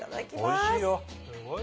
おいしいよ。